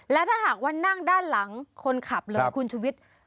และถ้าหากว่านั่งด้านหลังคนขับเลยคุณชุวิต